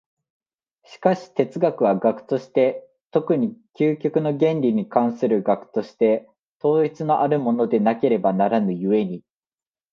しかし哲学は学として、特に究極の原理に関する学として、統一のあるものでなければならぬ故に、